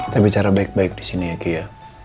kita bicara baik baik di sini ya kia